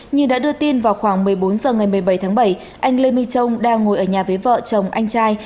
như đã đưa tin vào khoảng một mươi bốn h ngày một mươi bảy tháng bảy anh lê minh châu đang ngồi ở nhà với vợ chồng anh trai